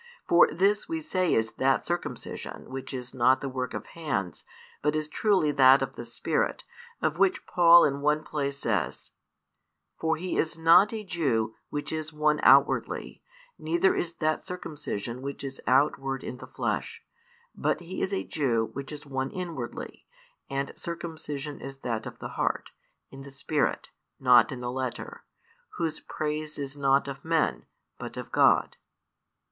For this we say is that circumcision which is not the work of hands, but is truly that of the Spirit, of which Paul in one place says: For he is not a Jew, which is one outwardly: neither is that circumcision which is outward in the flesh. But he is a Jew, which is one inwardly: and circumcision is that of the heart, in the spirit, not in the letter; whose praise is not of men, but of God.